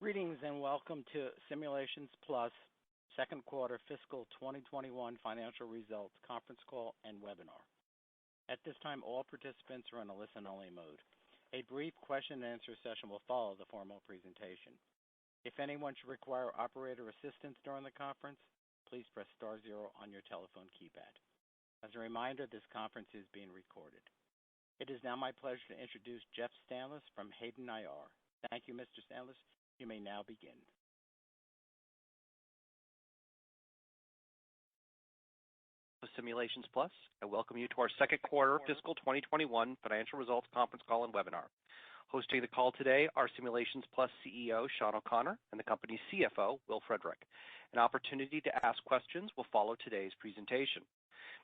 Greetings, welcome to Simulations Plus' second quarter fiscal 2021 financial results conference call and webinar. At this time, all participants are in a listen-only mode. A brief question-and-answer session will follow the formal presentation. If anyone should require operator assistance during the conference, please press star zero on your telephone keypad. As a reminder, this conference is being recorded. It is now my pleasure to introduce Jeff Stanlis from Hayden IR. Thank you, Mr. Stanlis. You may now begin. Simulations Plus, I welcome you to our second quarter fiscal 2021 financial results conference call and webinar. Hosting the call today are Simulations Plus CEO, Shawn O'Connor, and the company's CFO, Will Frederick. An opportunity to ask questions will follow today's presentation.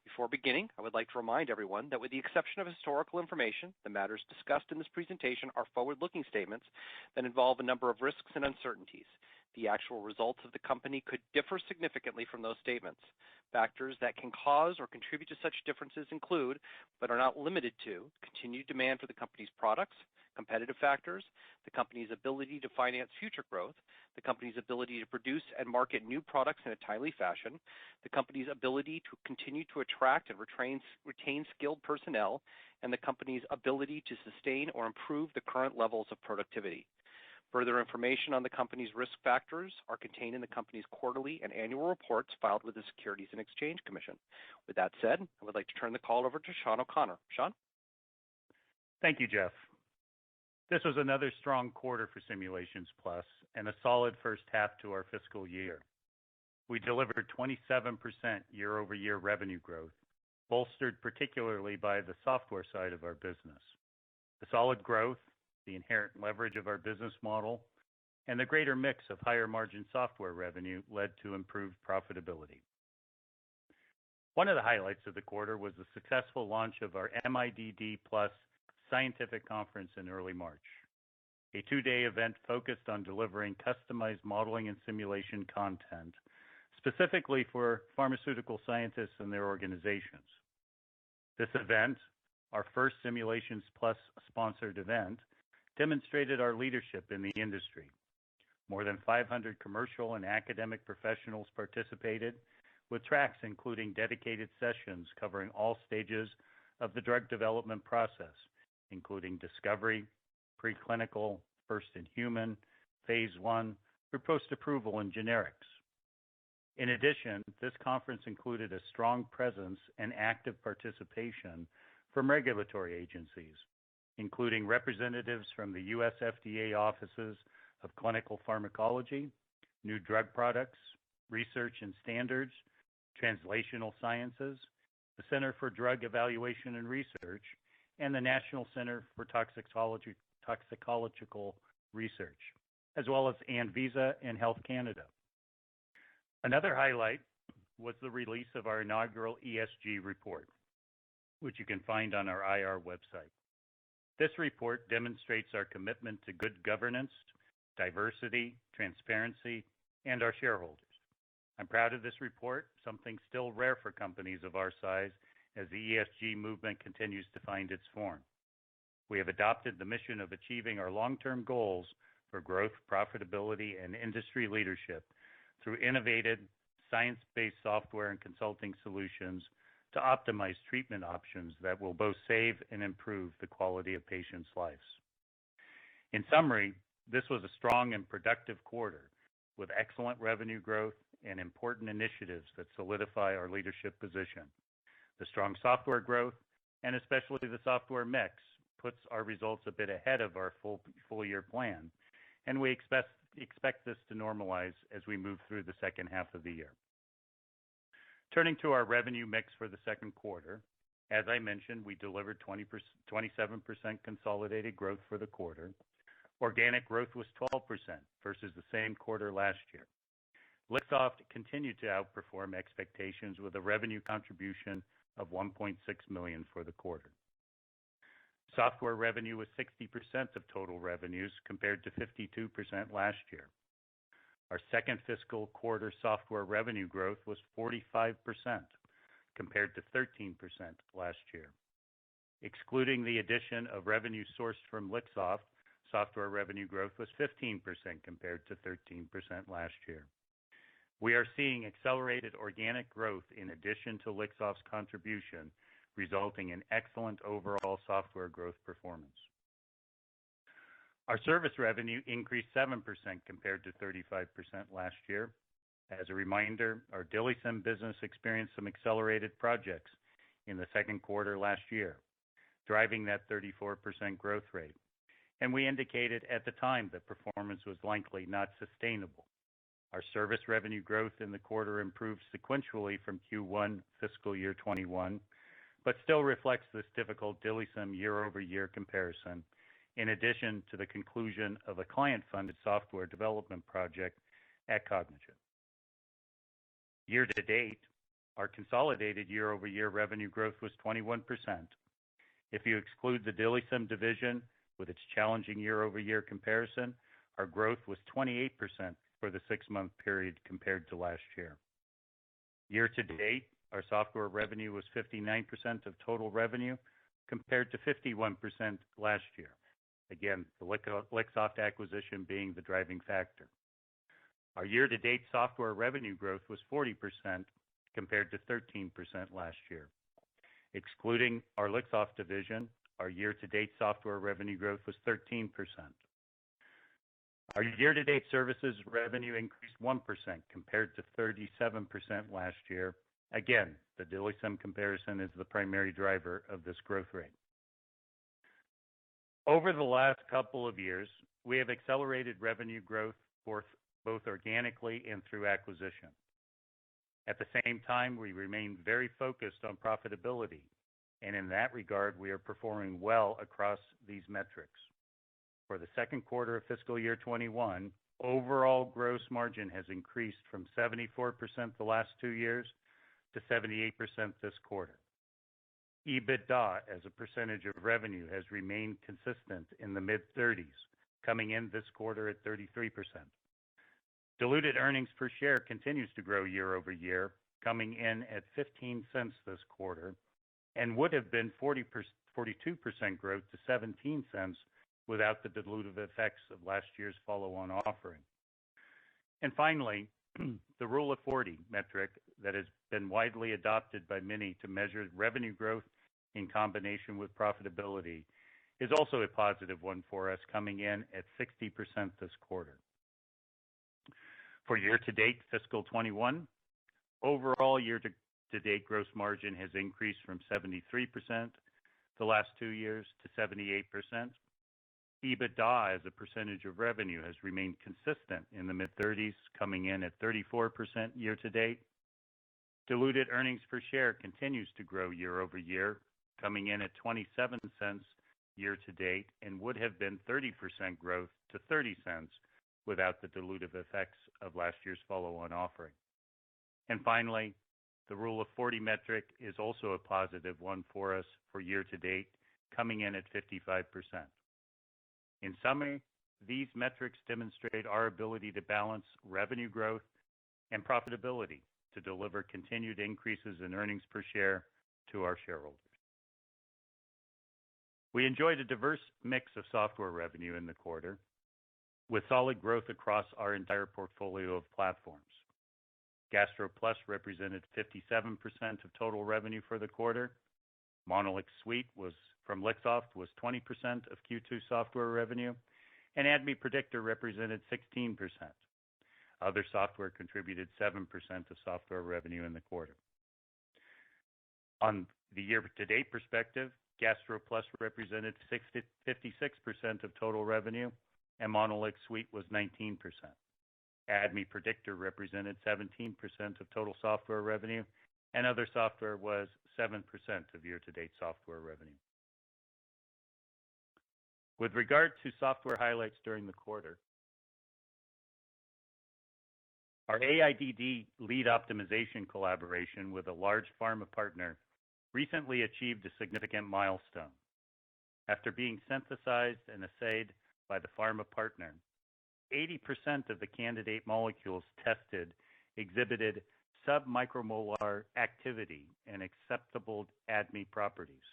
Before beginning, I would like to remind everyone that with the exception of historical information, the matters discussed in this presentation are forward-looking statements that involve a number of risks and uncertainties. The actual results of the company could differ significantly from those statements. Factors that can cause or contribute to such differences include, but are not limited to, continued demand for the company's products, competitive factors, the company's ability to finance future growth, the company's ability to produce and market new products in a timely fashion, the company's ability to continue to attract and retain skilled personnel, and the company's ability to sustain or improve the current levels of productivity. Further information on the company's risk factors are contained in the company's quarterly and annual reports filed with the Securities and Exchange Commission. With that said, I would like to turn the call over to Shawn O'Connor. Shawn? Thank you, Jeff. This was another strong quarter for Simulations Plus and a solid first half to our fiscal year. We delivered 27% year-over-year revenue growth, bolstered particularly by the software side of our business. The solid growth, the inherent leverage of our business model, and the greater mix of higher margin software revenue led to improved profitability. One of the highlights of the quarter was the successful launch of our MIDD+ scientific conference in early March, a two-day event focused on delivering customized modeling and simulation content specifically for pharmaceutical scientists and their organizations. This event, our first Simulations Plus sponsored event, demonstrated our leadership in the industry. More than 500 commercial and academic professionals participated with tracks including dedicated sessions covering all stages of the drug development process, including discovery, pre-clinical, first-in-human, phase I through post-approval and generics. In addition, this conference included a strong presence and active participation from regulatory agencies, including representatives from the U.S. FDA Offices of Clinical Pharmacology, New Drug Products, Research and Standards, Translational Sciences, the Center for Drug Evaluation and Research, and the National Center for Toxicological Research, as well as ANVISA and Health Canada. Another highlight was the release of our inaugural ESG report, which you can find on our IR website. This report demonstrates our commitment to good governance, diversity, transparency, and our shareholders. I'm proud of this report, something still rare for companies of our size as the ESG movement continues to find its form. We have adopted the mission of achieving our long-term goals for growth, profitability, and industry leadership through innovative science-based software and consulting solutions to optimize treatment options that will both save and improve the quality of patients' lives. In summary, this was a strong and productive quarter with excellent revenue growth and important initiatives that solidify our leadership position. The strong software growth, and especially the software mix, puts our results a bit ahead of our full year plan, and we expect this to normalize as we move through the second half of the year. Turning to our revenue mix for the second quarter, as I mentioned, we delivered 27% consolidated growth for the quarter. Organic growth was 12% versus the same quarter last year. Lixoft continued to outperform expectations with a revenue contribution of $1.6 million for the quarter. Software revenue was 60% of total revenues compared to 52% last year. Our second fiscal quarter software revenue growth was 45% compared to 13% last year. Excluding the addition of revenue sourced from Lixoft, software revenue growth was 15% compared to 13% last year. We are seeing accelerated organic growth in addition to Lixoft's contribution, resulting in excellent overall software growth performance. Our service revenue increased 7% compared to 35% last year. As a reminder, our DILIsym business experienced some accelerated projects in the second quarter last year, driving that 34% growth rate. We indicated at the time that performance was likely not sustainable. Our service revenue growth in the quarter improved sequentially from Q1 fiscal year 2021, but still reflects this difficult DILIsym year-over-year comparison, in addition to the conclusion of a client-funded software development project at Cognigen. Year-to-date, our consolidated year-over-year revenue growth was 21%. If you exclude the DILIsym division with its challenging year-over-year comparison, our growth was 28% for the six-month period compared to last year. Year-to-date, our software revenue was 59% of total revenue, compared to 51% last year. Again, the Lixoft acquisition being the driving factor. Our year-to-date software revenue growth was 40%, compared to 13% last year. Excluding our Lixoft division, our year-to-date software revenue growth was 13%. Our year-to-date services revenue increased 1%, compared to 37% last year. Again, the DILIsym comparison is the primary driver of this growth rate. Over the last couple of years, we have accelerated revenue growth both organically and through acquisition. At the same time, we remain very focused on profitability, and in that regard, we are performing well across these metrics. For the second quarter of fiscal year 2021, overall gross margin has increased from 74% the last two years to 78% this quarter. EBITDA as a percentage of revenue has remained consistent in the mid-30s, coming in this quarter at 33%. Diluted earnings per share continues to grow year-over-year, coming in at $0.15 this quarter, and would've been 42% growth to $0.17 without the dilutive effects of last year's follow-on offering. Finally, the Rule of 40 metric that has been widely adopted by many to measure revenue growth in combination with profitability is also a positive one for us, coming in at 60% this quarter. For year-to-date fiscal 2021, overall year-to-date gross margin has increased from 73% the last two years to 78%. EBITDA as a percentage of revenue has remained consistent in the mid-30s, coming in at 34% year-to-date. Diluted earnings per share continues to grow year-over-year, coming in at $0.27 year-to-date, and would have been 30% growth to $0.30 without the dilutive effects of last year's follow-on offering. Finally, the Rule of 40 metric is also a positive one for us for year-to-date, coming in at 55%. In summary, these metrics demonstrate our ability to balance revenue growth and profitability to deliver continued increases in earnings per share to our shareholders. We enjoyed a diverse mix of software revenue in the quarter, with solid growth across our entire portfolio of platforms. GastroPlus represented 57% of total revenue for the quarter. MonolixSuite from Lixoft was 20% of Q2 software revenue, and ADMET Predictor represented 16%. Other software contributed 7% of software revenue in the quarter. On the year-to-date perspective, GastroPlus represented 56% of total revenue and MonolixSuite was 19%. ADMET Predictor represented 17% of total software revenue, and other software was 7% of year-to-date software revenue. With regard to software highlights during the quarter, our AIDD lead optimization collaboration with a large pharma partner recently achieved a significant milestone. After being synthesized and assayed by the pharma partner, 80% of the candidate molecules tested exhibited sub-micromolar activity and acceptable ADMET properties.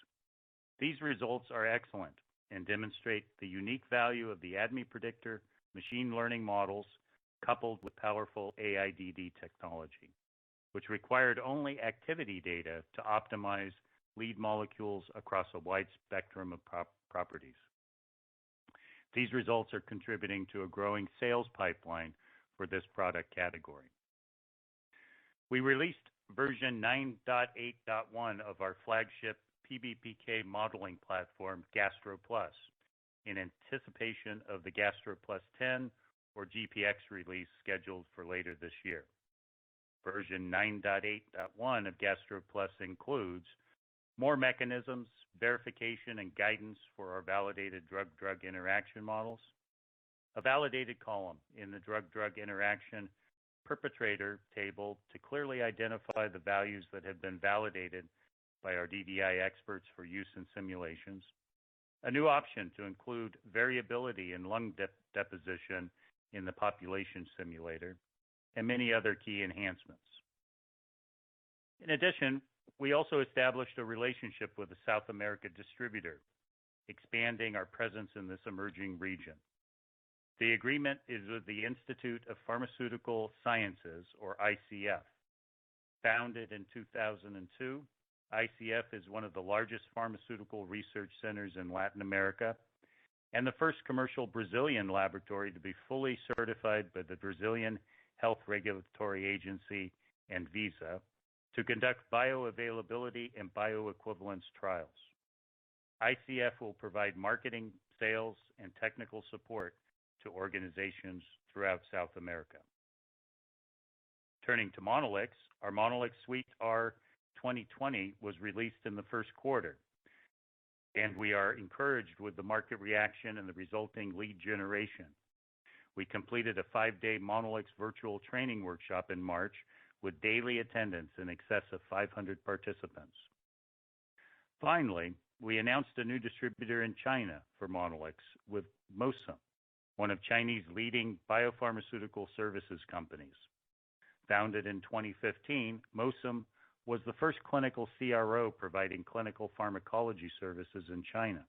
These results are excellent and demonstrate the unique value of the ADMET Predictor machine learning models coupled with powerful AIDD technology, which required only activity data to optimize lead molecules across a wide spectrum of properties. These results are contributing to a growing sales pipeline for this product category. We released Version 9.8.1 of our flagship PBPK modeling platform, GastroPlus, in anticipation of the GastroPlus 10 or GPX release scheduled for later this year. Version 9.8.1 of GastroPlus includes more mechanisms, verification, and guidance for our validated drug-drug interaction models, a validated column in the drug-drug interaction perpetrator table to clearly identify the values that have been validated by our DDI experts for use in simulations, a new option to include variability in lung deposition in the population simulator, and many other key enhancements. In addition, we also established a relationship with a South America distributor, expanding our presence in this emerging region. The agreement is with the Institute of Pharmaceutical Sciences, or ICF. Founded in 2002, ICF is one of the largest pharmaceutical research centers in Latin America and the first commercial Brazilian laboratory to be fully certified by the Brazilian Health Regulatory Agency ANVISA to conduct bioavailability and bioequivalence trials. ICF will provide marketing, sales, and technical support to organizations throughout South America. Turning to Monolix, our MonolixSuite R2020 was released in the first quarter. We are encouraged with the market reaction and the resulting lead generation. We completed five-day Monolix virtual training Workshop in March with daily attendance in excess of 500 participants. Finally, we announced a new distributor in China for Monolix with Mosim, one of Chinese leading biopharmaceutical services companies. Founded in 2015, Mosim was the first clinical CRO providing clinical pharmacology services in China.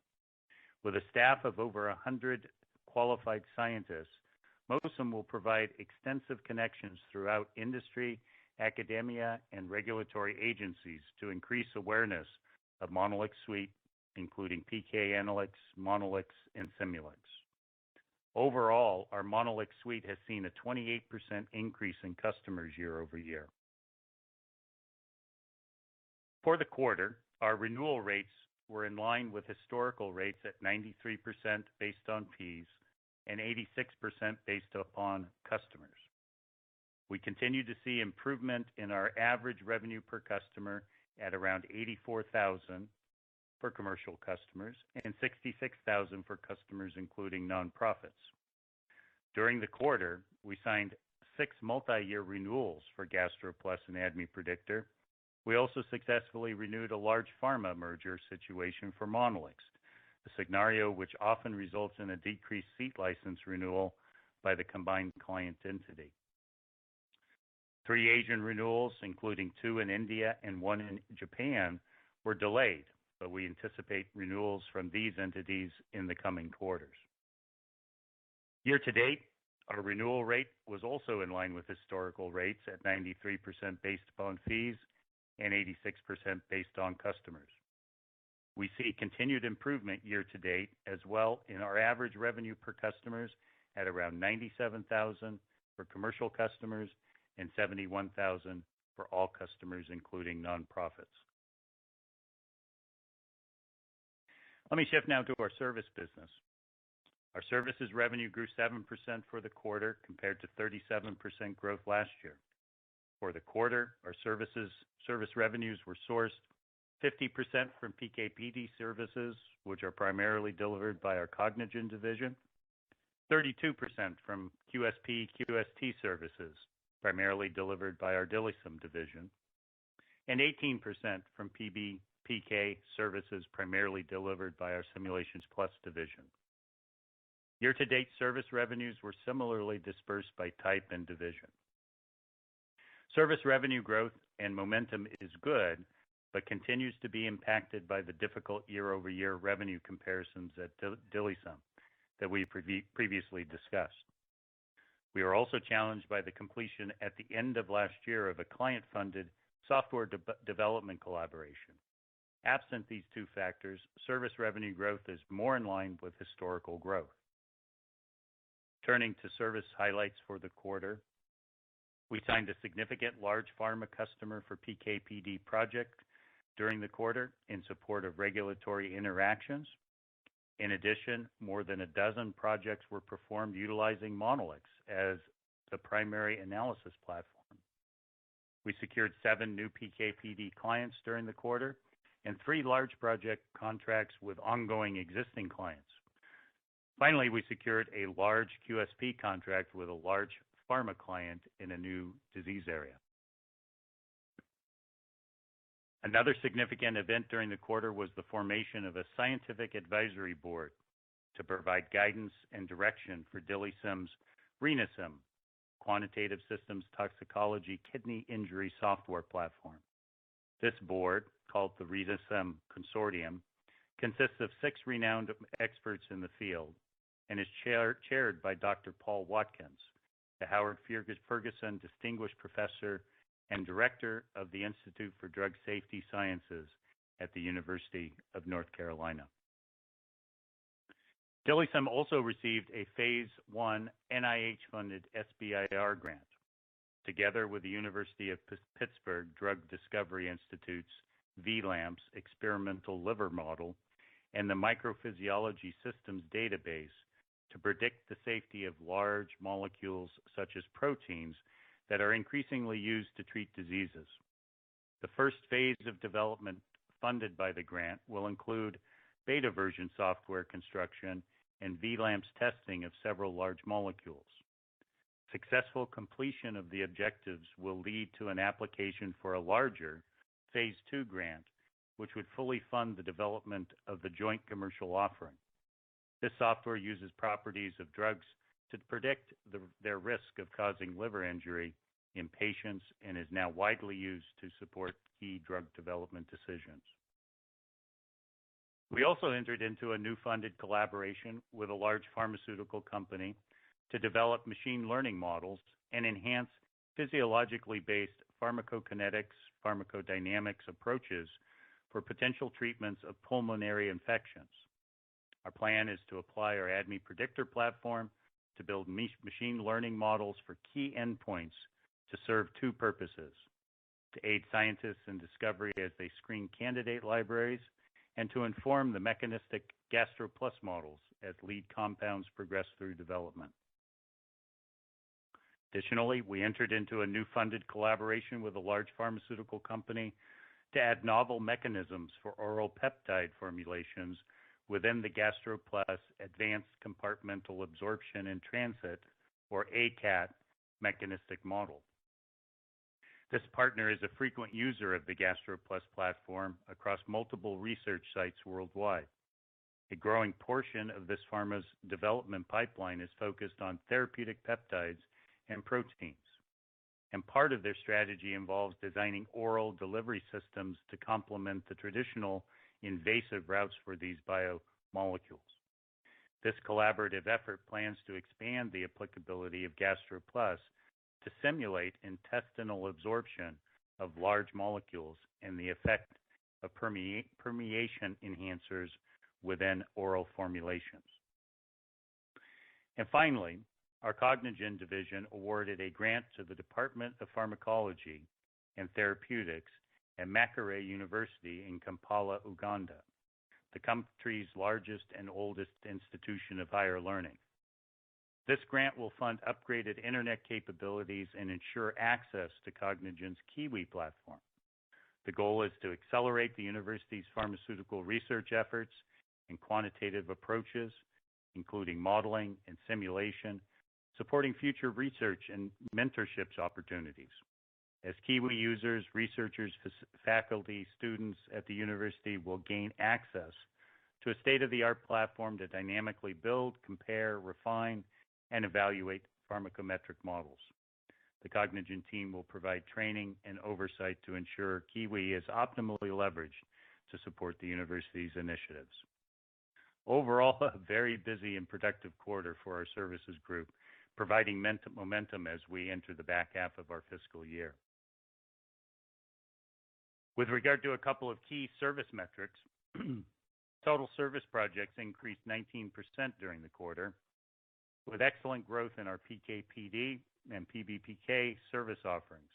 With a staff of over 100 qualified scientists, Mosim will provide extensive connections throughout industry, academia, and regulatory agencies to increase awareness of MonolixSuite, including PKanalix, Monolix, and Simulx. Overall, our MonolixSuite has seen a 28% increase in customers year-over-year. For the quarter, our renewal rates were in line with historical rates at 93% based on fees and 86% based upon customers. We continue to see improvement in our average revenue per customer at around $84,000 for commercial customers and $66,000 for customers, including nonprofits. During the quarter, we signed six multi-year renewals for GastroPlus and ADMET Predictor. We also successfully renewed a large pharma merger situation for Monolix, a scenario which often results in a decreased seat license renewal by the combined client entity. Three Asian renewals, including two in India and one in Japan, were delayed, but we anticipate renewals from these entities in the coming quarters. Year-to-date, our renewal rate was also in line with historical rates at 93% based upon fees and 86% based on customers. We see continued improvement year-to-date as well in our average revenue per customers at around $97,000 for commercial customers and $71,000 for all customers, including nonprofits. Let me shift now to our service business. Our services revenue grew 7% for the quarter, compared to 37% growth last year. For the quarter, our service revenues were sourced 50% from PK/PD services, which are primarily delivered by our Cognigen division, 32% from QSP/QST services, primarily delivered by our DILIsym division, and 18% from PBPK services, primarily delivered by our Simulations Plus division. Year-to-date service revenues were similarly dispersed by type and division. Service revenue growth and momentum is good, but continues to be impacted by the difficult year-over-year revenue comparisons at DILIsym that we previously discussed. We are also challenged by the completion at the end of last year of a client-funded software development collaboration. Absent these two factors, service revenue growth is more in line with historical growth. Turning to service highlights for the quarter, we signed a significant large pharma customer for PK/PD project during the quarter in support of regulatory interactions. In addition, more than a dozen projects were performed utilizing Monolix as the primary analysis platform. We secured seven new PK/PD clients during the quarter and three large project contracts with ongoing existing clients. Finally, we secured a large QSP contract with a large pharma client in a new disease area. Another significant event during the quarter was the formation of a scientific advisory board to provide guidance and direction for DILIsym's RENAsym quantitative systems toxicology kidney injury software platform. This board, called the RENAsym Consortium, consists of six renowned experts in the field and is chaired by Dr. Paul Watkins, the Howard Q. Ferguson Distinguished Professor and Director of the Institute for Drug Safety Sciences at the University of North Carolina. DILIsym also received a phase I NIH-funded SBIR grant, together with the University of Pittsburgh Drug Discovery Institute's vLAMPS experimental liver model and the Microphysiology Systems Database to predict the safety of large molecules such as proteins that are increasingly used to treat diseases. The first phase of development funded by the grant will include beta version software construction and vLAMPS testing of several large molecules. Successful completion of the objectives will lead to an application for a larger phase II grant, which would fully fund the development of the joint commercial offering. This software uses properties of drugs to predict their risk of causing liver injury in patients and is now widely used to support key drug development decisions. We also entered into a new funded collaboration with a large pharmaceutical company to develop machine learning models and enhance physiologically based pharmacokinetics, pharmacodynamics approaches for potential treatments of pulmonary infections. Our plan is to apply our ADMET Predictor platform to build machine learning models for key endpoints to serve two purposes, to aid scientists in discovery as they screen candidate libraries and to inform the mechanistic GastroPlus models as lead compounds progress through development. Additionally, we entered into a new funded collaboration with a large pharmaceutical company to add novel mechanisms for oral peptide formulations within the GastroPlus advanced compartmental absorption and transit, or ACAT, mechanistic model. This partner is a frequent user of the GastroPlus platform across multiple research sites worldwide. A growing portion of this pharma's development pipeline is focused on therapeutic peptides and proteins, and part of their strategy involves designing oral delivery systems to complement the traditional invasive routes for these biomolecules. This collaborative effort plans to expand the applicability of GastroPlus to simulate intestinal absorption of large molecules and the effect of permeation enhancers within oral formulations. Finally, our Cognigen division awarded a grant to the Department of Pharmacology and Therapeutics at Makerere University in Kampala, Uganda, the country's largest and oldest institution of higher learning. This grant will fund upgraded internet capabilities and ensure access to Cognigen's KIWI platform. The goal is to accelerate the university's pharmaceutical research efforts in quantitative approaches, including modeling and simulation, supporting future research and mentorships opportunities. As KIWI users, researchers, faculty, students at the university will gain access to a state-of-the-art platform to dynamically build, compare, refine, and evaluate pharmacometric models. The Cognigen team will provide training and oversight to ensure KIWI is optimally leveraged to support the university's initiatives. Overall, a very busy and productive quarter for our services group, providing momentum as we enter the back half of our fiscal year. With regard to a couple of key service metrics, total service projects increased 19% during the quarter, with excellent growth in our PK/PD and PBPK service offerings.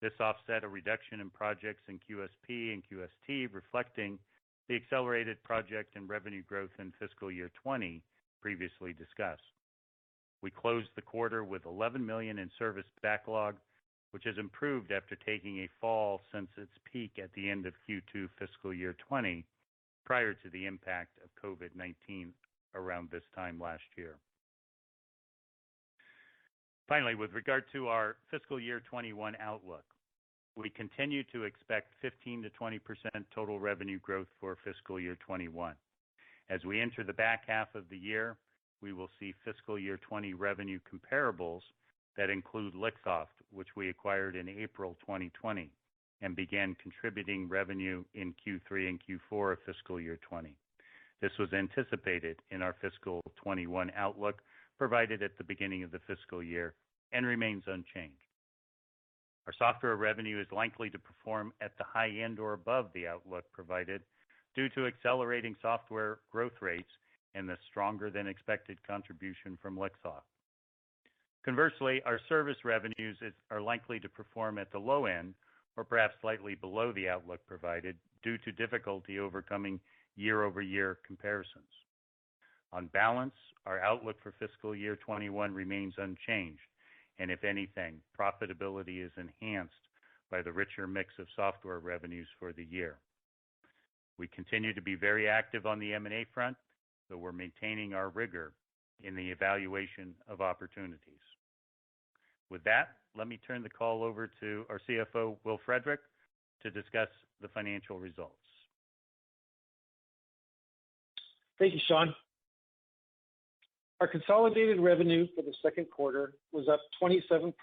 This offset a reduction in projects in QSP and QST, reflecting the accelerated project and revenue growth in fiscal year 2020 previously discussed. We closed the quarter with $11 million in service backlog, which has improved after taking a fall since its peak at the end of Q2 fiscal year 2020, prior to the impact of COVID-19 around this time last year. Finally, with regard to our fiscal year 2021 outlook, we continue to expect 15%-20% total revenue growth for fiscal year 2021. As we enter the back half of the year, we will see fiscal year 2020 revenue comparables that include Lixoft, which we acquired in April 2020 and began contributing revenue in Q3 and Q4 of fiscal year 2020. This was anticipated in our fiscal 2021 outlook provided at the beginning of the fiscal year and remains unchanged. Our software revenue is likely to perform at the high end or above the outlook provided due to accelerating software growth rates and the stronger than expected contribution from Lixoft. Conversely, our service revenues are likely to perform at the low end or perhaps slightly below the outlook provided due to difficulty overcoming year-over-year comparisons. On balance, our outlook for fiscal year 2021 remains unchanged, and if anything, profitability is enhanced by the richer mix of software revenues for the year. We continue to be very active on the M&A front, though we're maintaining our rigor in the evaluation of opportunities. With that, let me turn the call over to our CFO, Will Frederick, to discuss the financial results. Thank you, Shawn. Our consolidated revenue for the second quarter was up 27%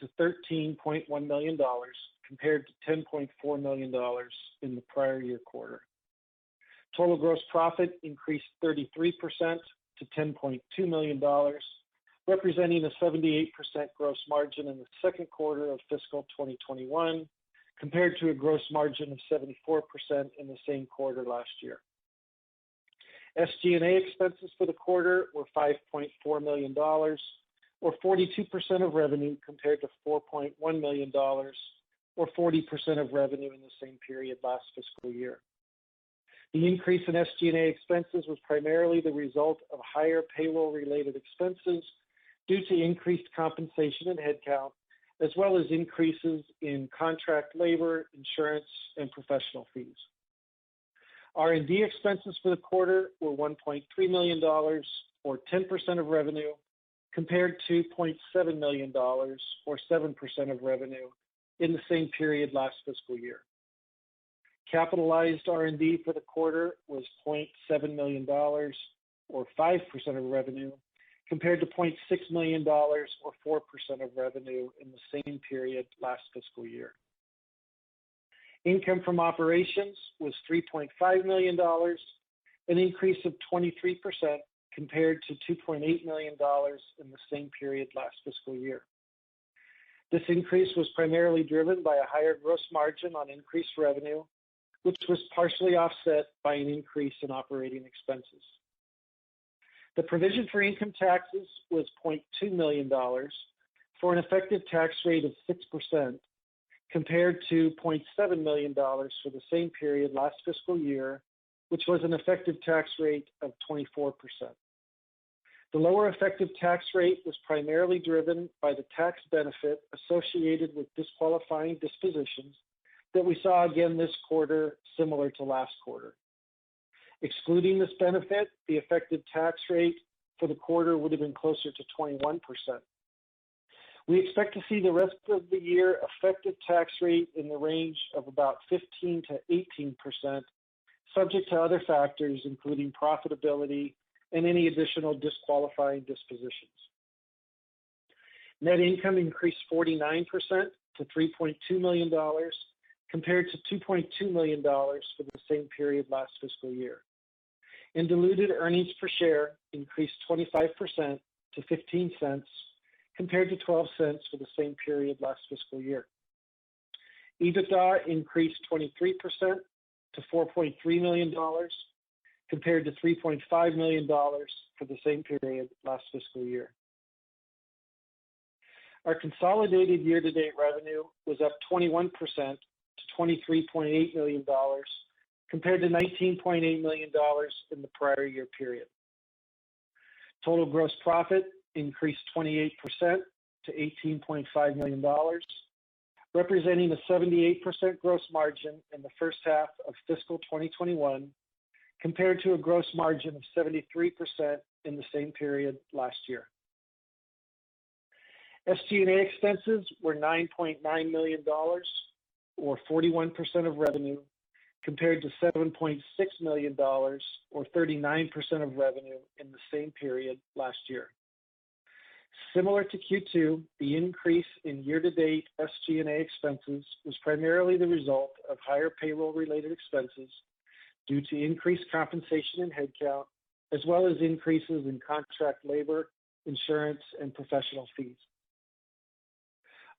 to $13.1 million, compared to $10.4 million in the prior year quarter. Total gross profit increased 33% to $10.2 million, representing a 78% gross margin in the second quarter of fiscal 2021, compared to a gross margin of 74% in the same quarter last year. SG&A expenses for the quarter were $5.4 million, or 42% of revenue, compared to $4.1 million or 40% of revenue in the same period last fiscal year. The increase in SG&A expenses was primarily the result of higher payroll-related expenses due to increased compensation and headcount, as well as increases in contract labor, insurance, and professional fees. R&D expenses for the quarter were $1.3 million, or 10% of revenue, compared to $0.7 million or 7% of revenue in the same period last fiscal year. Capitalized R&D for the quarter was $0.7 million, or 5% of revenue, compared to $0.6 million or 4% of revenue in the same period last fiscal year. Income from operations was $3.5 million, an increase of 23% compared to $2.8 million in the same period last fiscal year. This increase was primarily driven by a higher gross margin on increased revenue, which was partially offset by an increase in operating expenses. The provision for income taxes was $0.2 million for an effective tax rate of 6%, compared to $0.7 million for the same period last fiscal year, which was an effective tax rate of 24%. The lower effective tax rate was primarily driven by the tax benefit associated with disqualifying dispositions that we saw again this quarter, similar to last quarter. Excluding this benefit, the effective tax rate for the quarter would've been closer to 21%. We expect to see the rest of the year effective tax rate in the range of about 15%-18%, subject to other factors, including profitability and any additional disqualifying dispositions. Net income increased 49% to $3.2 million, compared to $2.2 million for the same period last fiscal year. Diluted earnings per share increased 25% to $0.15, compared to $0.12 for the same period last fiscal year. EBITDA increased 23% to $4.3 million, compared to $3.5 million for the same period last fiscal year. Our consolidated year-to-date revenue was up 21% to $23.8 million, compared to $19.8 million in the prior year period. Total gross profit increased 28% to $18.5 million, representing a 78% gross margin in the first half of fiscal 2021, compared to a gross margin of 73% in the same period last year. SG&A expenses were $9.9 million, or 41% of revenue, compared to $7.6 million or 39% of revenue in the same period last year. Similar to Q2, the increase in year-to-date SG&A expenses was primarily the result of higher payroll-related expenses due to increased compensation and headcount, as well as increases in contract labor, insurance, and professional fees.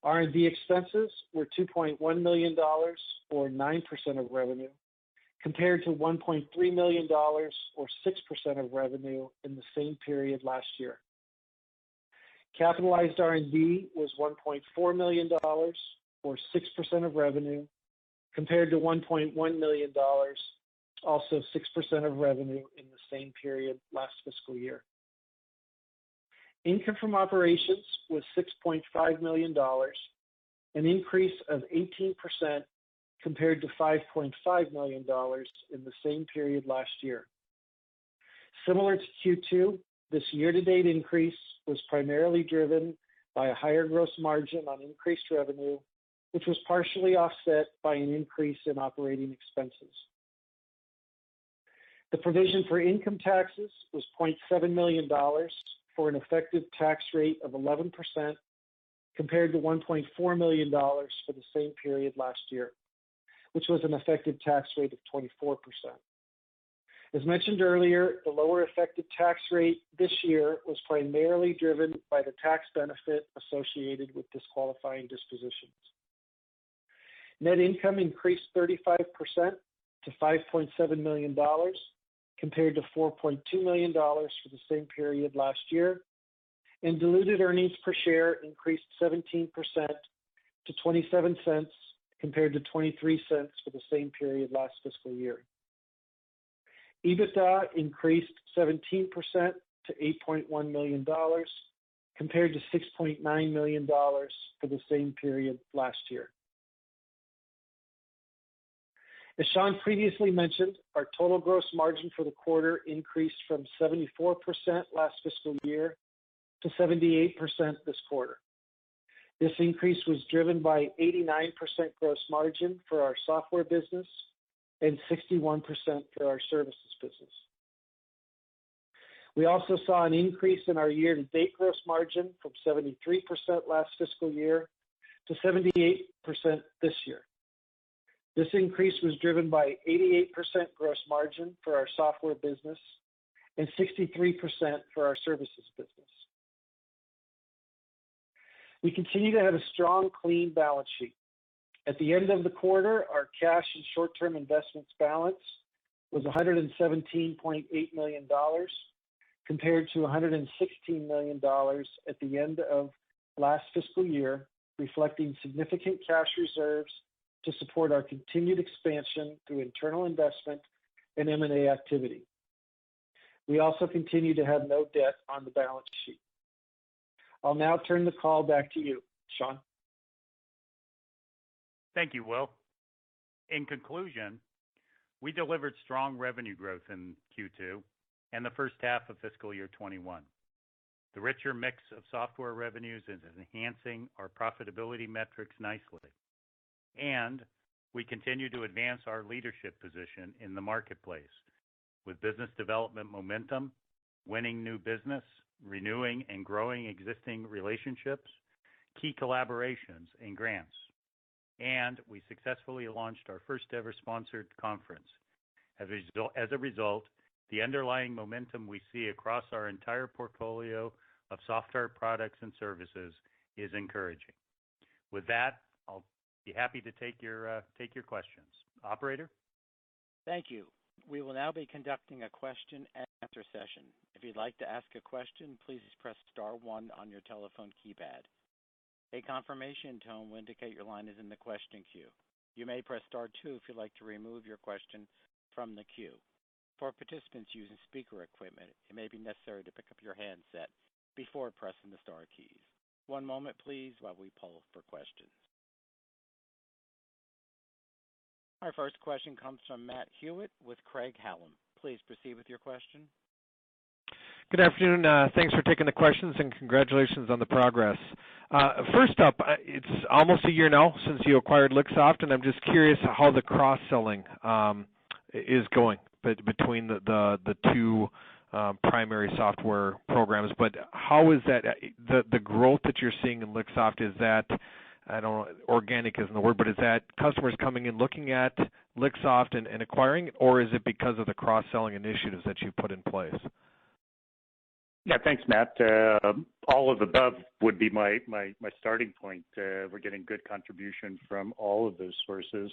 R&D expenses were $2.1 million, or 9% of revenue, compared to $1.3 million or 6% of revenue in the same period last year. Capitalized R&D was $1.4 million, or 6% of revenue, compared to $1.1 million, also 6% of revenue in the same period last fiscal year. Income from operations was $6.5 million, an increase of 18% compared to $5.5 million in the same period last year. Similar to Q2, this year-to-date increase was primarily driven by a higher gross margin on increased revenue, which was partially offset by an increase in operating expenses. The provision for income taxes was $0.7 million for an effective tax rate of 11%, compared to $1.4 million for the same period last year, which was an effective tax rate of 24%. As mentioned earlier, the lower effective tax rate this year was primarily driven by the tax benefit associated with disqualifying dispositions. Net income increased 35% to $5.7 million, compared to $4.2 million for the same period last year. Diluted earnings per share increased 17% to $0.27, compared to $0.23 for the same period last fiscal year. EBITDA increased 17% to $8.1 million, compared to $6.9 million for the same period last year. As Shawn previously mentioned, our total gross margin for the quarter increased from 74% last fiscal year to 78% this quarter. This increase was driven by 89% gross margin for our software business and 61% for our services business. We also saw an increase in our year-to-date gross margin from 73% last fiscal year to 78% this year. This increase was driven by 88% gross margin for our software business and 63% for our services business. We continue to have a strong, clean balance sheet. At the end of the quarter, our cash and short-term investments balance was $117.8 million, compared to $116 million at the end of last fiscal year, reflecting significant cash reserves to support our continued expansion through internal investment and M&A activity. We also continue to have no debt on the balance sheet. I'll now turn the call back to you, Shawn. Thank you, Will. In conclusion, we delivered strong revenue growth in Q2 and the first half of fiscal year 2021. The richer mix of software revenues is enhancing our profitability metrics nicely, and we continue to advance our leadership position in the marketplace with business development momentum, winning new business, renewing and growing existing relationships, key collaborations, and grants. We successfully launched our first-ever sponsored conference. As a result, the underlying momentum we see across our entire portfolio of software products and services is encouraging. With that, I'll be happy to take your questions. Operator? Thank you. We'll now be conducting question-and-answer session. If you like to ask a question please press star one on your telephone keypad. Confirmation tone will indicate your line is in the question queue. You may press star two if you like to remove your question from queue. For participants using speaker equipment it maybe necessary to pick up your handset before pressing the star keys. One moment while we poll for questions. Our first question comes from Matt Hewitt with Craig-Hallum. Please proceed with your question. Good afternoon. Thanks for taking the questions, and congratulations on the progress. First up, it's almost a year now since you acquired Lixoft, and I'm just curious how the cross-selling is going between the two primary software programs. How is the growth that you're seeing in Lixoft, is that, organic isn't the word, but is that customers coming in looking at Lixoft and acquiring, or is it because of the cross-selling initiatives that you've put in place? Yeah. Thanks, Matt. All of the above would be my starting point. We are getting good contribution from all of those sources.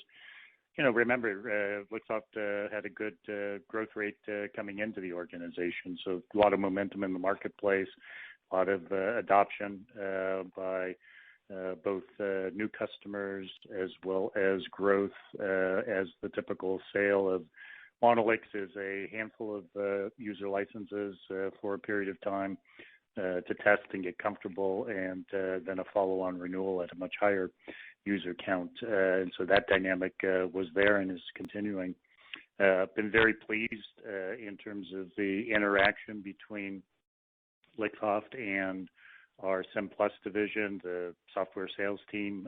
Remember, Lixoft had a good growth rate coming into the organization, so a lot of momentum in the marketplace, a lot of adoption by both new customers as well as growth as the typical sale of Monolix is a handful of user licenses for a period of time to test and get comfortable, and then a follow-on renewal at a much higher user count. That dynamic was there and is continuing. Been very pleased in terms of the interaction between Lixoft and our SimPlus division, the software sales team,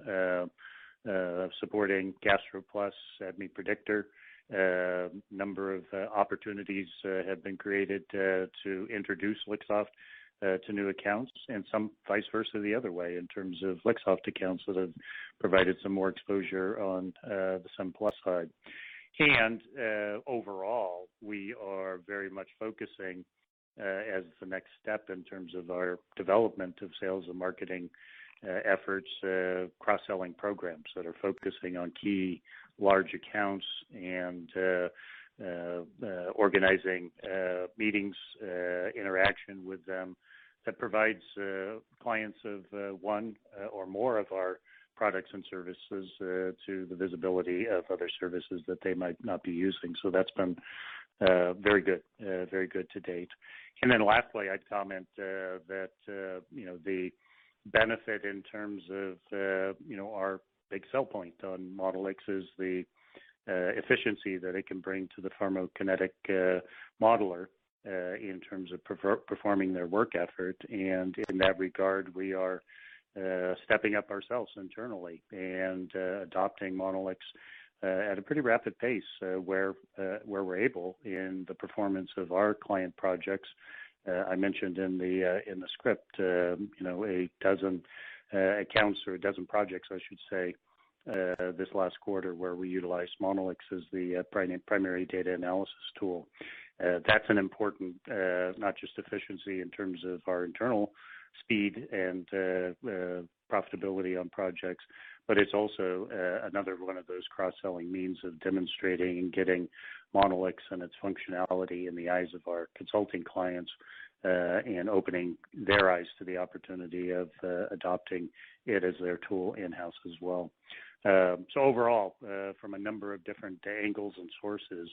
supporting GastroPlus, ADMET Predictor. A number of opportunities have been created to introduce Lixoft to new accounts, and some vice versa the other way in terms of Lixoft accounts that have provided some more exposure on the SimPlus side. Overall, we are very much focusing, as the next step in terms of our development of sales and marketing efforts, cross-selling programs that are focusing on key large accounts and organizing meetings, interaction with them that provides clients of one or more of our products and services to the visibility of other services that they might not be using. That's been very good to date. Lastly, I'd comment that the benefit in terms of our big sell point on Monolix is the efficiency that it can bring to the pharmacokinetic modeler in terms of performing their work effort. In that regard, we are stepping up ourselves internally and adopting Monolix at a pretty rapid pace where we're able in the performance of our client projects. I mentioned in the script 12 accounts or 12 projects, I should say, this last quarter where we utilized Monolix as the primary data analysis tool. That's important, not just efficiency in terms of our internal speed and profitability on projects, but it's also another one of those cross-selling means of demonstrating and getting Monolix and its functionality in the eyes of our consulting clients, and opening their eyes to the opportunity of adopting it as their tool in-house as well. Overall, from a number of different angles and sources,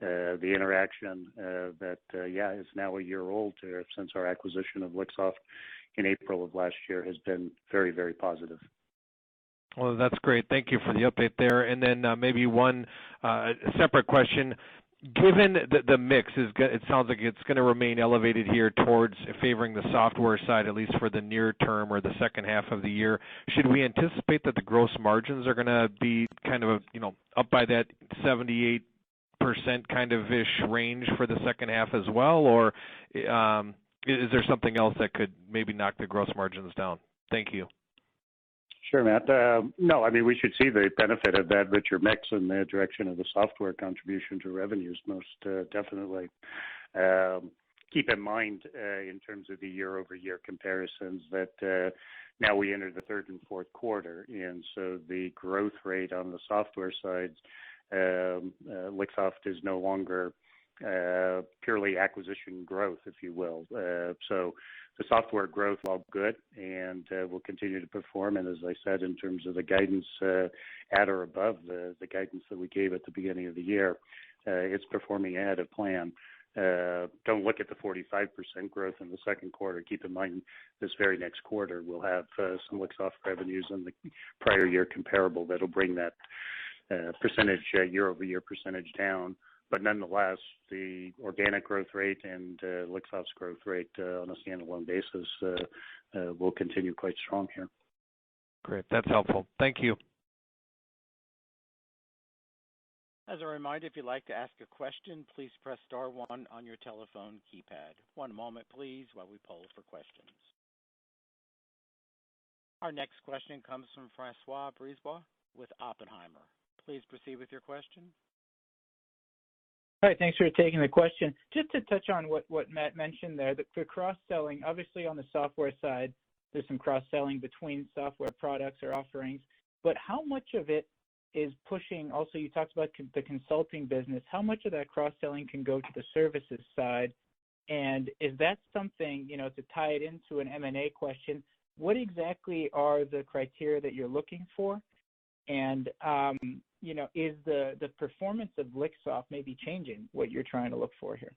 the interaction that, yeah, is now a year old since our acquisition of Lixoft in April of last year has been very positive. Well, that's great. Thank you for the update there. Maybe one separate question. Given that the mix, it sounds like it's going to remain elevated here towards favoring the software side, at least for the near term or the second half of the year. Should we anticipate that the gross margins are going to be up by that 78%-ish range for the second half as well? Is there something else that could maybe knock the gross margins down? Thank you. Sure, Matt. No, we should see the benefit of that richer mix in the direction of the software contribution to revenues, most definitely. Keep in mind, in terms of the year-over-year comparisons, that now we enter the third and fourth quarter, the growth rate on the software side, Lixoft is no longer purely acquisition growth, if you will. The software growth, all good, and will continue to perform. As I said, in terms of the guidance, at or above the guidance that we gave at the beginning of the year, it's performing ahead of plan. Don't look at the 45% growth in the second quarter. Keep in mind, this very next quarter, we'll have some Lixoft revenues in the prior year comparable that'll bring that year-over-year percentage down. Nonetheless, the organic growth rate and Lixoft's growth rate on a standalone basis will continue quite strong here. Great. That's helpful. Thank you. As a reminder, if you'd like to ask a question, please press star one on your telephone keypad. One moment, please, while we poll for questions. Our next question comes from François Brisebois with Oppenheimer. Please proceed with your question. Hi. Thanks for taking the question. Just to touch on what Matt mentioned there, the cross-selling, obviously on the software side, there's some cross-selling between software products or offerings. Also, you talked about the consulting business. How much of that cross-selling can go to the services side? If that's something, to tie it into an M&A question, what exactly are the criteria that you're looking for? Is the performance of Lixoft maybe changing what you're trying to look for here?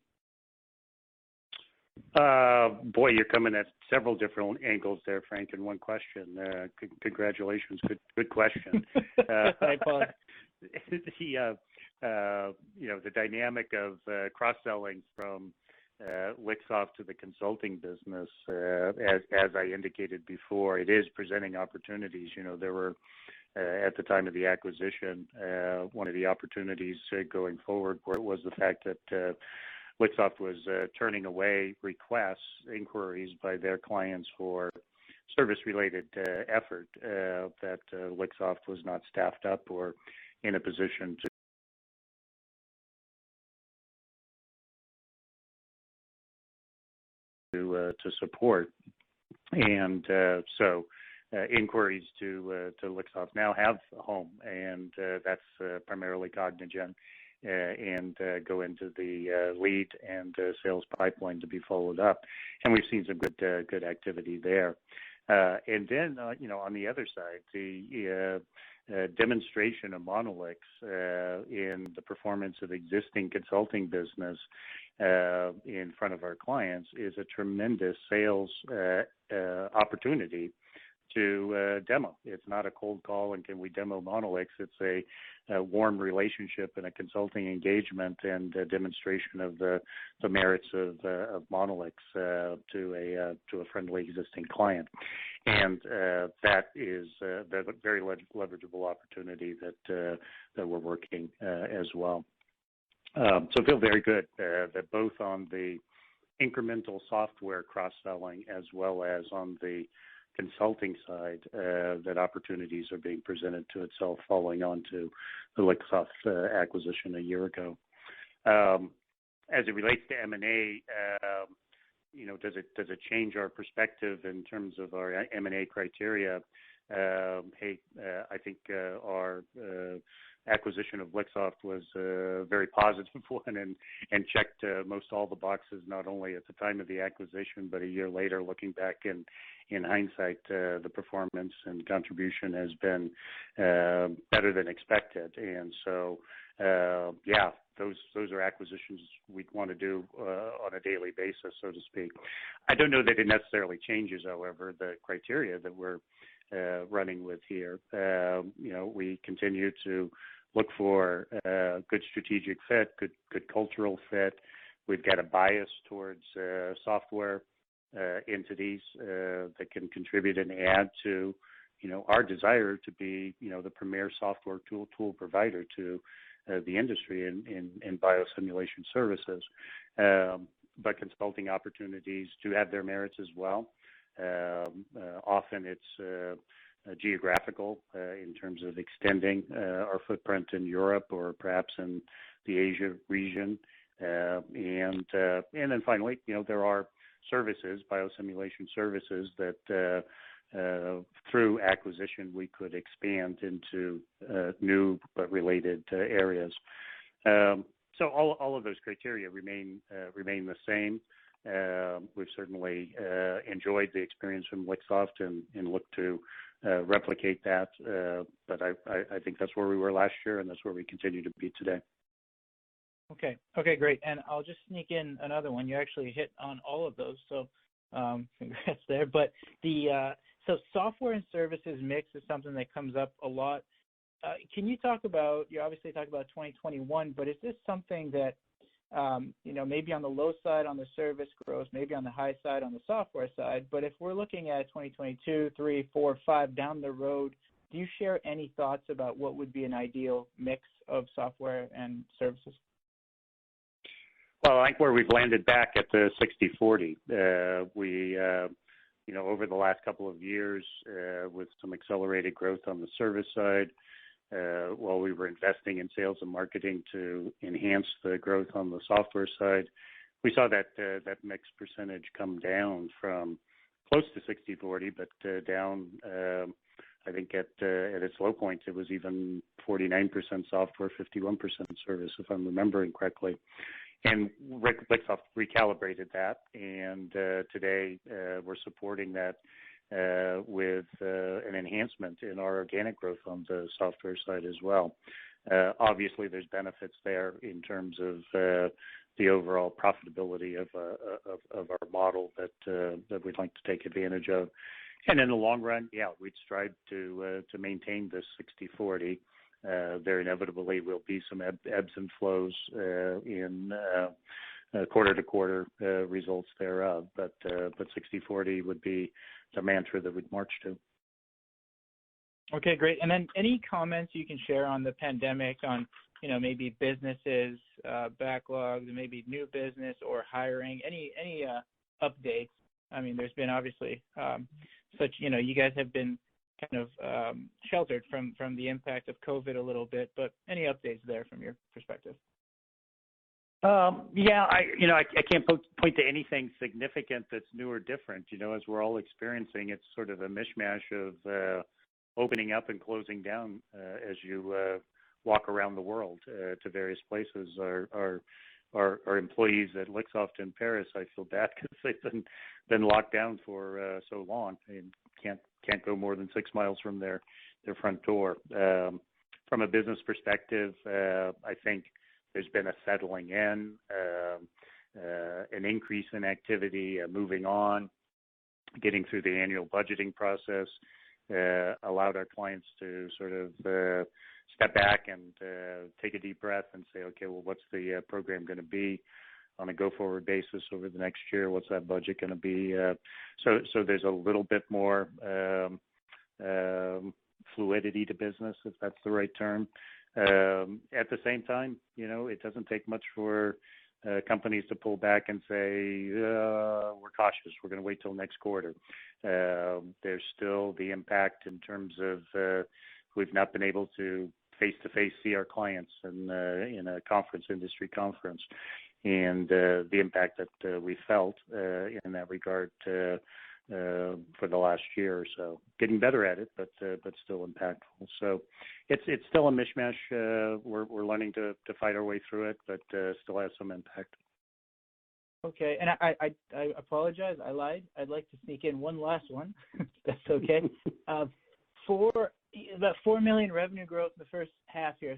Boy, you're coming at several different angles there, Franc, in one question. Congratulations. Good question. The dynamic of cross-selling from Lixoft to the consulting business, as I indicated before, it is presenting opportunities. There were, at the time of the acquisition, one of the opportunities going forward was the fact that Lixoft was turning away requests, inquiries by their clients for service-related effort that Lixoft was not staffed up or in a position to support. Inquiries to Lixoft now have a home, and that's primarily Cognigen, and go into the lead and sales pipeline to be followed up. We've seen some good activity there. On the other side, the demonstration of Monolix in the performance of existing consulting business in front of our clients is a tremendous sales opportunity to demo. It's not a cold call and can we demo Monolix? It's a warm relationship and a consulting engagement and a demonstration of the merits of Monolix to a friendly existing client. That is a very leverageable opportunity that we're working as well. Feel very good that both on the incremental software cross-selling as well as on the consulting side, that opportunities are being presented to itself following on to the Lixoft acquisition one year ago. As it relates to M&A, does it change our perspective in terms of our M&A criteria? Hey, I think our acquisition of Lixoft was a very positive one and checked most all the boxes, not only at the time of the acquisition, but one year later, looking back in hindsight, the performance and contribution has been better than expected. Yeah, those are acquisitions we'd want to do on a daily basis, so to speak. I don't know that it necessarily changes, however, the criteria that we're running with here. We continue to look for good strategic fit, good cultural fit. We've got a bias towards software entities that can contribute and add to our desire to be the premier software tool provider to the industry in biosimulation services. Consulting opportunities do have their merits as well. Often it's geographical in terms of extending our footprint in Europe or perhaps in the Asia region. Finally, there are services, biosimulation services that through acquisition we could expand into new but related areas. All of those criteria remain the same. We've certainly enjoyed the experience from Lixoft and look to replicate that. I think that's where we were last year, and that's where we continue to be today. Okay, great. I'll just sneak in another one. You actually hit on all of those, congrats there. Software and services mix is something that comes up a lot. You obviously talk about 2021, is this something that maybe on the low side on the service growth, maybe on the high side on the software side, but if we're looking at 2022, 2023, 2024, 2025 down the road, do you share any thoughts about what would be an ideal mix of software and services? Well, I like where we've landed back at the 60/40. Over the last couple of years, with some accelerated growth on the service side, while we were investing in sales and marketing to enhance the growth on the software side, we saw that mix percentage come down from close to 60/40, but down, I think at its low point, it was even 49% software, 51% service, if I'm remembering correctly. Lixoft recalibrated that, and today we're supporting that with an enhancement in our organic growth on the software side as well. Obviously, there's benefits there in terms of the overall profitability of our model that we'd like to take advantage of. In the long run, yeah, we'd strive to maintain this 60/40. There inevitably will be some ebbs and flows in quarter-to-quarter results thereof. 60/40 would be the mantra that we'd march to. Okay, great. Any comments you can share on the pandemic on maybe businesses, backlogs, maybe new business or hiring, any updates? You guys have been kind of sheltered from the impact of COVID a little bit, but any updates there from your perspective? Yeah. I can't point to anything significant that's new or different. As we're all experiencing, it's sort of a mishmash of opening up and closing down as you walk around the world to various places. Our employees at Lixoft in Paris, I feel bad because they've been locked down for so long and can't go more than 6 mi from their front door. From a business perspective, I think there's been a settling in, an increase in activity, a moving on, getting through the annual budgeting process, allowed our clients to sort of step back and take a deep breath and say, "Okay, well, what's the program going to be on a go-forward basis over the next year? What's that budget going to be?" There's a little bit more fluidity to business, if that's the right term. At the same time, it doesn't take much for companies to pull back and say, "We're cautious. We're going to wait till next quarter." There's still the impact in terms of, we've not been able to face-to-face see our clients in a conference, industry conference, and the impact that we felt in that regard for the last year or so. Getting better at it, but still impactful. It's still a mishmash. We're learning to fight our way through it, but still has some impact. Okay. I apologize, I lied. I'd like to sneak in one last one, if that's okay. The $4 million revenue growth the first half year,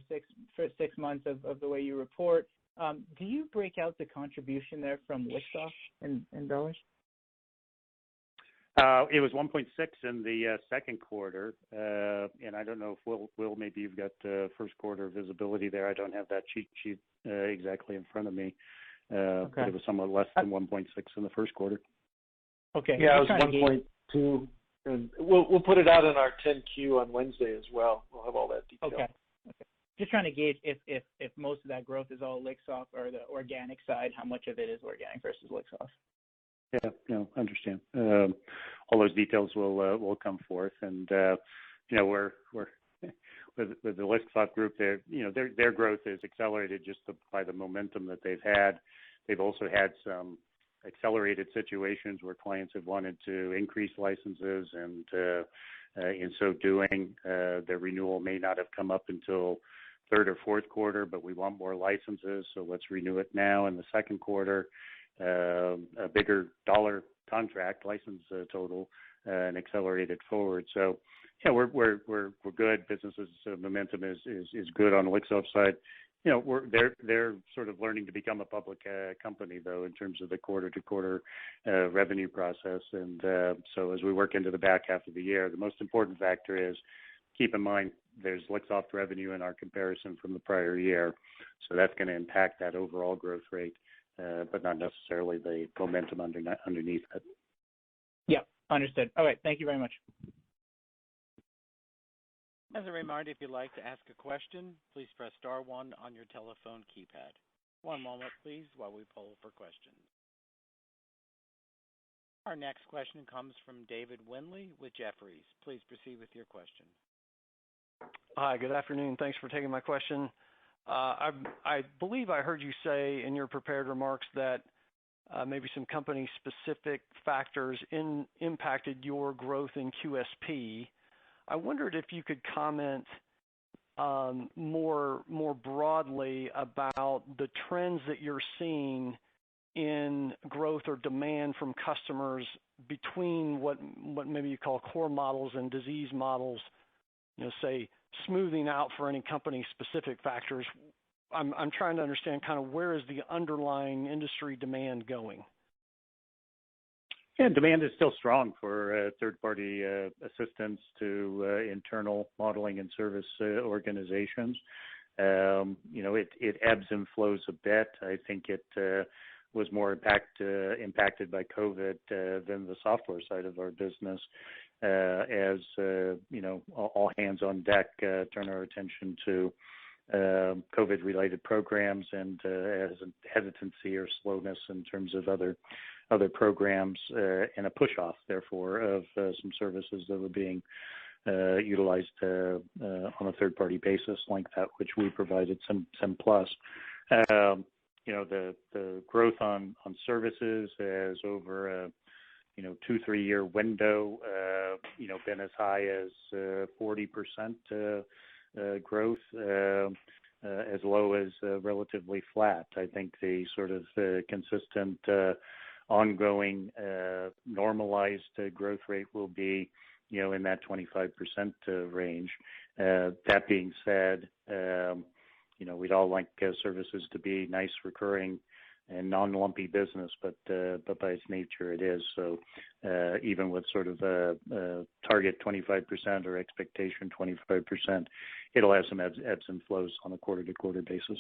first six months of the way you report, do you break out the contribution there from Lixoft in dollars? It was $1.6 in the second quarter. I don't know if, Will, maybe you've got first quarter visibility there. I don't have that cheat sheet exactly in front of me. Okay. It was somewhat less than $1.6 in the first quarter. Okay. Yeah, it was $1.2. We'll put it out in our 10-Q on Wednesday as well. We'll have all that detail. Okay. Just trying to gauge if most of that growth is all Lixoft or the organic side, how much of it is organic versus Lixoft? Yeah. No, understand. All those details will come forth with the Lixoft group, their growth is accelerated just by the momentum that they've had. They've also had some accelerated situations where clients have wanted to increase licenses and in so doing, their renewal may not have come up until third or fourth quarter, but we want more licenses, so let's renew it now in the second quarter. A bigger dollar contract license total accelerated forward. Yeah, we're good. Business momentum is good on the Lixoft side. They're sort of learning to become a public company, though, in terms of the quarter-to-quarter revenue process. As we work into the back half of the year, the most important factor is, keep in mind, there's Lixoft revenue in our comparison from the prior year. That's going to impact that overall growth rate, but not necessarily the momentum underneath it. Yeah. Understood. All right. Thank you very much. As a reminder, if you'd like to ask a question, please press star one on your telephone keypad. One moment please while we poll for questions. Our next question comes from David Windley with Jefferies. Please proceed with your question. Hi, good afternoon. Thanks for taking my question. I believe I heard you say in your prepared remarks that maybe some company-specific factors impacted your growth in QSP. I wondered if you could comment more broadly about the trends that you're seeing in growth or demand from customers between what maybe you call core models and disease models, say smoothing out for any company-specific factors. I'm trying to understand kind of where is the underlying industry demand going. Yeah. Demand is still strong for third party assistance to internal modeling and service organizations. It ebbs and flows a bit. I think it was more impacted by COVID than the software side of our business. As all hands on deck turn our attention to COVID related programs and as a hesitancy or slowness in terms of other programs, and a push-off therefore of some services that were being utilized on a third party basis like that which we provided, SimPlus. The growth on services has over a two, three year window been as high as 40% growth, as low as relatively flat. I think the sort of consistent ongoing normalized growth rate will be in that 25% range. That being said, we'd all like services to be nice recurring and non-lumpy business, but by its nature, it is. Even with sort of a target 25% or expectation 25%, it'll have some ebbs and flows on a quarter-to-quarter basis.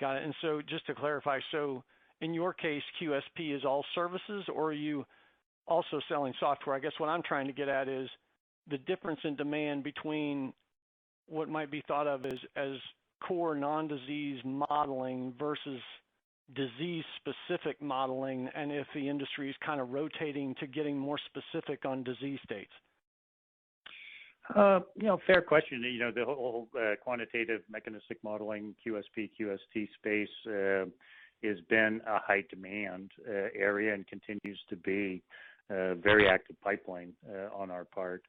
Got it. Just to clarify, in your case, QSP is all services or are you also selling software? I guess what I'm trying to get at is the difference in demand between what might be thought of as core non-disease modeling versus disease specific modeling, and if the industry is kind of rotating to getting more specific on disease states. Fair question. The whole quantitative mechanistic modeling QSP, QST space has been a high demand area and continues to be a very active pipeline on our part.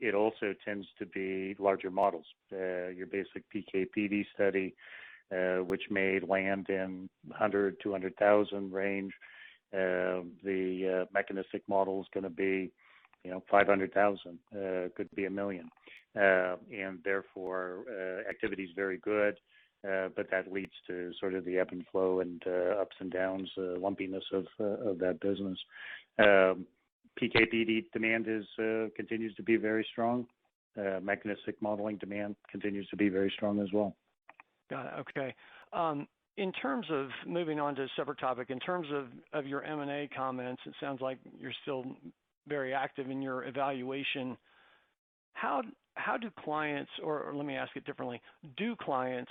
It also tends to be larger models. Your basic PK/PD study, which may land in the $100,000-$200,000 range. The mechanistic model's going to be $500,000, could be $1 million. Therefore, activity's very good, but that leads to the ebb and flow and ups and downs, the lumpiness of that business. PK/PD demand continues to be very strong. Mechanistic modeling demand continues to be very strong as well. Got it. Okay. Moving on to a separate topic, in terms of your M&A comments, it sounds like you're still very active in your evaluation. How do clients, or let me ask it differently, do clients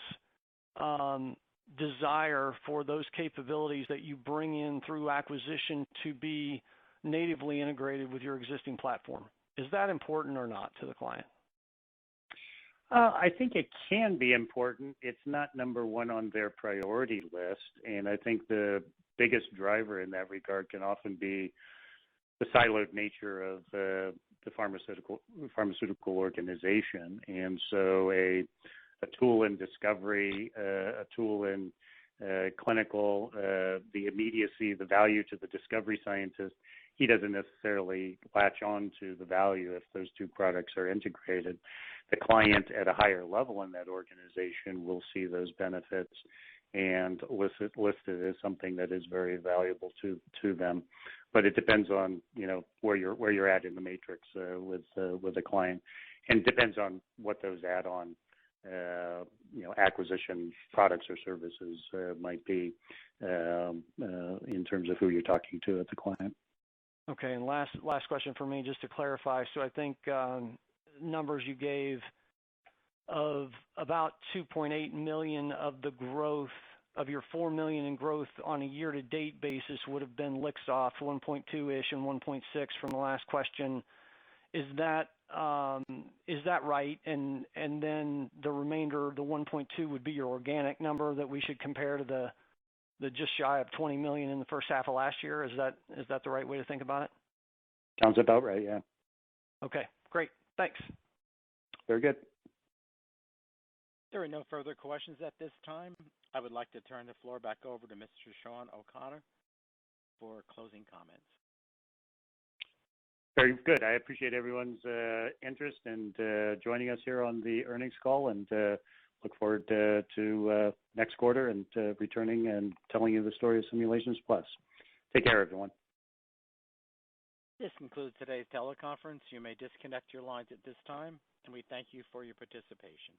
desire for those capabilities that you bring in through acquisition to be natively integrated with your existing platform? Is that important or not to the client? I think it can be important. It's not number one on their priority list, and I think the biggest driver in that regard can often be the siloed nature of the pharmaceutical organization. A tool in discovery, a tool in clinical, the immediacy, the value to the discovery scientist, he doesn't necessarily latch on to the value if those two products are integrated. The client at a higher level in that organization will see those benefits and list it as something that is very valuable to them. It depends on where you're at in the matrix with the client, and depends on what those add-on acquisition products or services might be, in terms of who you're talking to at the client. Last question from me, just to clarify. I think numbers you gave of about $2.8 million of the growth of your $4 million in growth on a year-to-date basis would have been Lixoft $1.2 million-ish and $1.6 million from the last question. Is that right? Then the remainder, the $1.2 million would be your organic number that we should compare to the just shy of $20 million in the first half of last year. Is that the right way to think about it? Sounds about right, yeah. Okay, great. Thanks. Very good. There are no further questions at this time. I would like to turn the floor back over to Mr. Shawn O'Connor for closing comments. Very good. I appreciate everyone's interest and joining us here on the earnings call, and look forward to next quarter and returning and telling you the story of Simulations Plus. Take care, everyone. This concludes today's teleconference. You may disconnect your lines at this time, and we thank you for your participation.